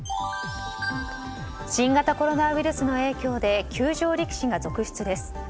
新型コロナウイルスの影響で休場力士が続出です。